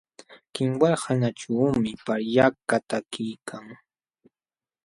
Kinwal hanaćhuumi paryakaq takiykan.